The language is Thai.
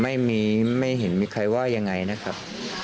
ไม่เห็นมีใครว่ายังไงนะครับ